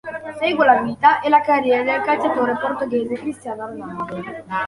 Segue la vita e la carriera del calciatore portoghese Cristiano Ronaldo.